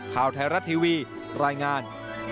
ข่าวไทยรัฐทีวีรายงาน